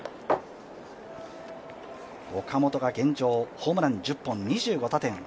岡本が現状、ホームラン１０本、２５打点。